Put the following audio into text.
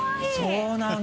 そうなんだ。